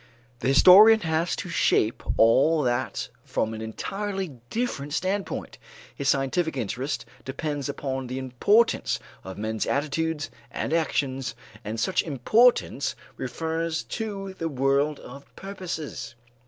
The historian has to shape all that from an entirely different standpoint: his scientific interest depends upon the importance of men's attitudes and actions, and such importance refers to the world of purposes.